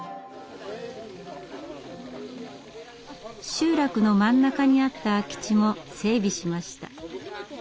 集落の真ん中にあった空き地も整備しました。